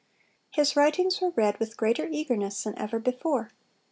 His writings were read with greater eagerness than ever before.